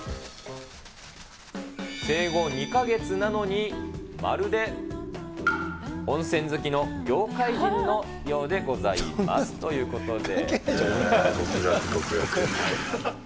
生後２か月なのに、まるで温泉好きの業界人のようでございます、ということで。